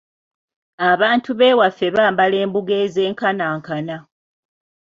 Abantu b’ewaffe bambala embugo ez'enkanankana.